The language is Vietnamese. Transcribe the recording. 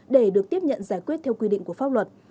để được tiếp nhận giải quyết theo quy định của pháp luật